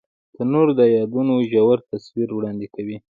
تنور د یادونو ژور تصویر وړاندې کوي